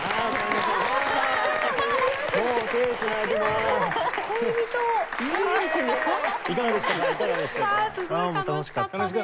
すごい楽しかったです。